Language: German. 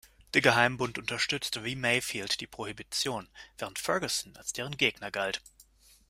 Der Geheimbund unterstützte wie Mayfield die Prohibition, während Ferguson als deren Gegner galt.